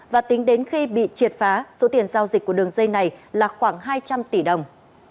và tính đến khi bị triệt phá số tiền giao dịch của đường dây này là khoảng hai trăm linh tỷ đồng